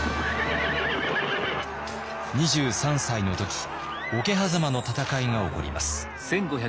２３歳の時桶狭間の戦いが起こります。